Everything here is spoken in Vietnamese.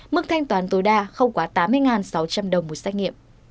mức thanh toán tối đa không quá tám mươi sáu trăm linh đồng một xét nghiệm